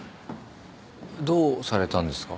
どうされたんですか？